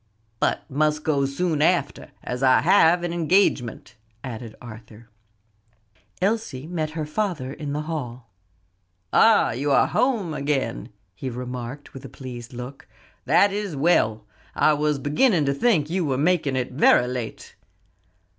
"But must go soon after, as I have an engagement," added Arthur. Elsie met her father in the hall. "Ah, you are at home again," he remarked with a pleased look; "that is well; I was beginning to think you were making it very late."